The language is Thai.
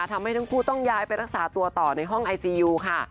ทำให้ทั้งคู่ต้องย้ายไปรักษาตัวต่อในห้องไอซียูค่ะ